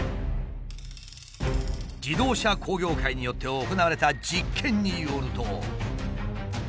自動車工業会によって行われた実験によると。